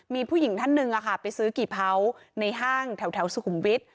มีผู้หญิงท่านหนึ่งไปซื้อกี่เผาในห้างแถวสุขุมวิทย์